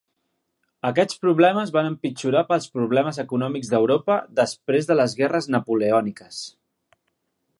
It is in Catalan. Aquests problemes van empitjorar pels problemes econòmics d'Europa després de les guerres napoleòniques.